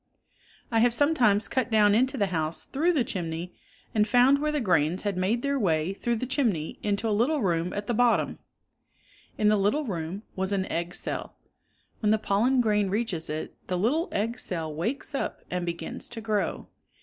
1 have sometimes cut down into the house through the chimney and found where the grains had made their way through the chimney into a little room at the , bottom. In the little room was an egg cell. When the pollen grain reaches it, the little egg cell wakes up and be gins to grow.